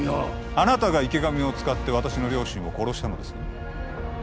あなたが池上を使って私の両親を殺したのですね